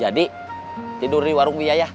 jadi tidur di warung biaya ya